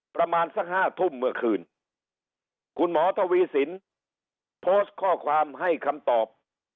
ประมาณสักห้าทุ่มเมื่อคืนคุณหมอทวีสินโพสต์ข้อความให้คำตอบ